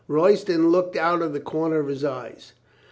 Royston looked out of the corners of his eyes.